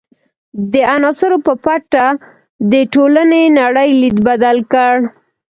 دې عناصرو په پټه د ټولنې نړۍ لید بدل کړ.